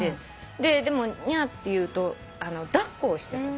でも「ニャー」っていうと抱っこをしてた。